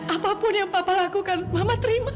apapun yang papa lakukan mama terima